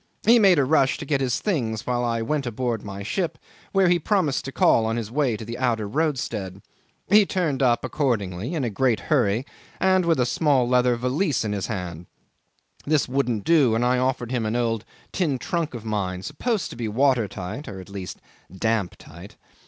He made a rush to get his things while I went aboard my ship, where he promised to call on his way to the outer roadstead. He turned up accordingly in a great hurry and with a small leather valise in his hand. This wouldn't do, and I offered him an old tin trunk of mine supposed to be water tight, or at least damp tight.